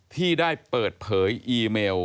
ที่ได้เปิดเผยอีเมล